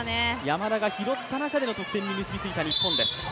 山田が拾った中での得点に結びついた日本です。